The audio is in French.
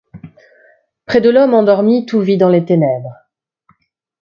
Près de l'homme endormi tout vit dans les ténèbres.